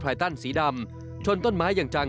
ไปตั้นสีดำชนต้นไม้จังพังยับเยิน